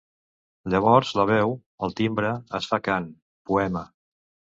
Llavors la veu, el timbre, es fa cant, poema.